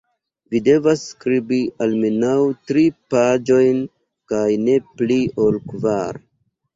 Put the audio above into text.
Vi devas skribi almenaŭ tri paĝojn kaj ne pli ol kvar.